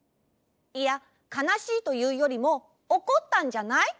いやかなしいというよりもおこったんじゃない？